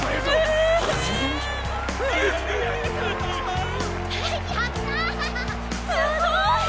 すごーい！